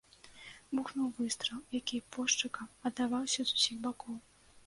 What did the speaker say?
Бухнуў выстрал, які пошчакам аддаваўся з усіх бакоў.